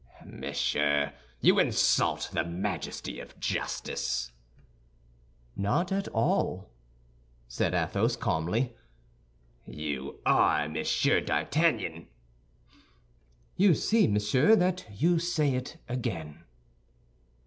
"Monsieur, you insult the majesty of justice." "Not at all," said Athos, calmly. "You are Monsieur d'Artagnan." "You see, monsieur, that you say it again."